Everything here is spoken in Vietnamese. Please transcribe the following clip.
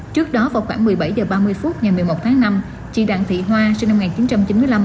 trước đó vào khoảng một mươi bảy h ba mươi phút ngày một mươi một tháng năm chị đặng thị hoa sinh năm một nghìn chín trăm chín mươi năm